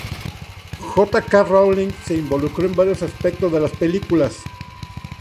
J. K. Rowling se involucró en varios aspectos de las películas.